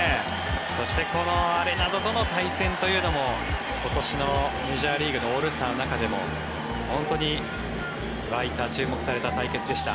そしてこのアレナドとの対戦というのも今年のメジャーリーグのオールスターの中でも本当に沸いた、注目された対決でした。